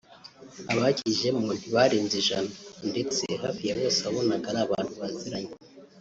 abakijemo ntibarenze ijana ndetse hafi ya bose wabonaga ari abantu baziranye